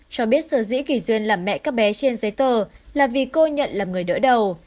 cho biết sở dĩ kỳ duyên làm mẹ các bé trên giấy tờ là vì cô nhận là người đỡ đầu